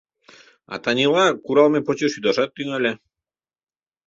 А Танила куралме почеш ӱдашат тӱҥале.